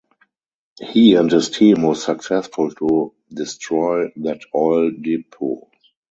He and his team was successful to destroy that oil depot.